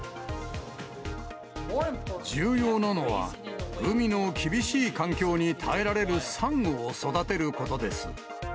重要なのは、海の厳しい環境に耐えられるサンゴを育てることです。